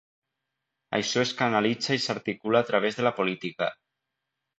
Això es canalitza i s’articula a través de la política.